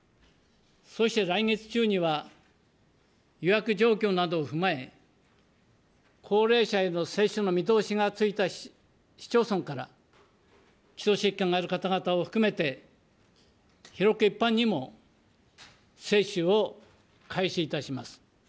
そして来月中には、予約状況などを踏まえ、高齢者への接種の見通しがついた市町村から、基礎疾患がある方々を含めて、広く一般にも接種を開始いたします。